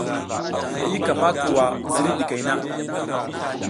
I ka ma kuwa ziriy ɗikey na.